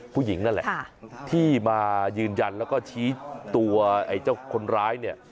ผู้หญิงนั่นแหละที่มายืนยันแล้วก็ชี้ตัวไอ้เจ้าคนร้ายเนี่ย